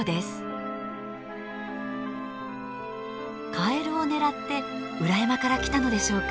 カエルを狙って裏山から来たのでしょうか。